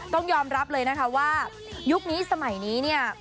ต้องยอมรับเลยนะคะว่ายุคนี้สมัยนี้เนี่ย